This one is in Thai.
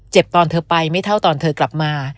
ตอนเธอไปไม่เท่าตอนเธอกลับมา